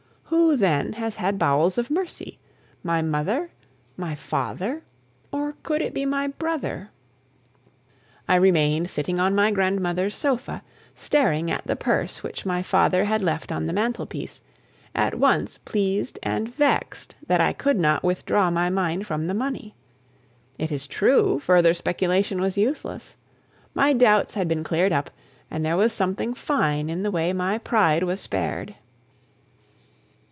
Who, then, has had bowels of mercy? My mother? My father? Or could it be my brother? I remained sitting on my grandmother's sofa, staring at the purse which my father had left on the mantelpiece, at once pleased and vexed that I could not withdraw my mind from the money. It is true, further speculation was useless. My doubts had been cleared up and there was something fine in the way my pride was spared.